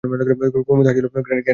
কুমুদ হাসিল, grand success, অ্যাঁ?